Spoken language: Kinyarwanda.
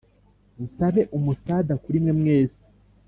Nsabe umusada kurimwe mwese